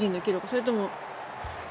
それとも。